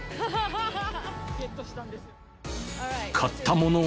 買ったものは？